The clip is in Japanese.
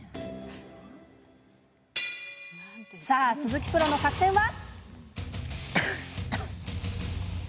さあ鈴木プロの作戦は？